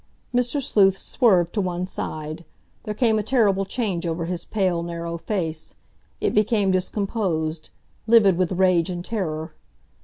Mr. Sleuth swerved to one side; there came a terrible change over his pale, narrow face; it became discomposed, livid with rage and terror.